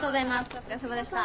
お疲れさまでした。